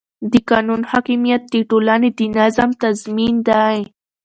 د قانون حاکمیت د ټولنې د نظم تضمین دی